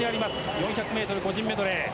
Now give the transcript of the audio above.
４００ｍ個人メドレー。